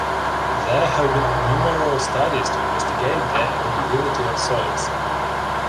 There have been numerous studies to investigate the erodibility of soils.